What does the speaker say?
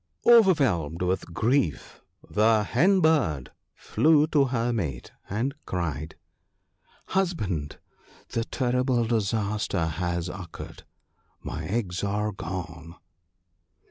Overwhelmed with grief, the Hen bird flew to her mate, and cried :—" Husband, the terrible disaster has occurred ! My eggs are gone